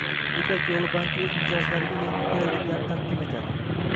Ipak Yuli banki o'z mijozlariga yangi qulayliklarni taqdim etadi